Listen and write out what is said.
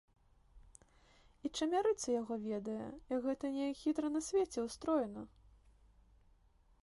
І чамярыца яго ведае, як гэта неяк хітра на свеце ўстроена!